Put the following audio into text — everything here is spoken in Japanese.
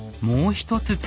もう一つ。